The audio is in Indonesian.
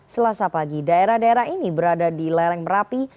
selasa pagi daerah daerah ini berada di lereng merapi